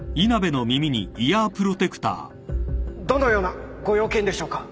どのようなご用件でしょうか？